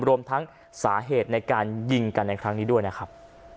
รวมทั้งสาเหตุในการยิงกันในครั้งนี้ด้วยนะครับ